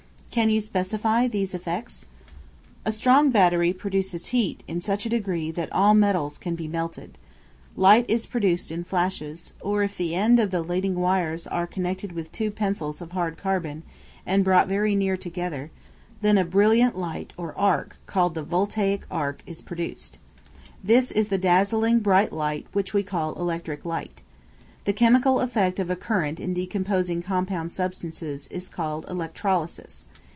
Can you specify these effects? A strong battery produces heat in such a degree that all metals can be melted. Light is produced in flashes, or if the end of the leading wires are connected with two pencils of hard carbon, and brought very near together, then a brilliant light, or arc, called the voltaic arc, is produced. This is the dazzling bright light which we call electric light. The chemical effect of a current in decomposing compound substances is called electrolysis.